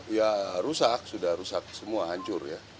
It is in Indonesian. ya rusak sudah rusak semua hancur ya